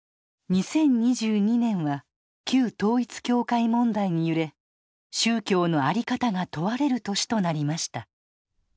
２０２２年は旧統一教会問題に揺れ宗教のあり方が問われる年となりました。